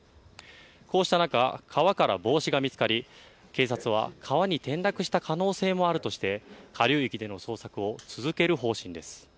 こうした中、川から帽子が見つかり警察は川に転落した可能性もあるとして下流域での捜索を続ける方針です。